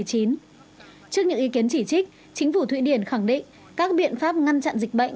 trước những ý kiến chỉ trích chính phủ thụy điển khẳng định các biện pháp ngăn chặn dịch bệnh